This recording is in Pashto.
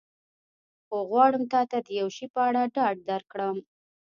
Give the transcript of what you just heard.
خو غواړم تا ته د یو شي په اړه ډاډ درکړم.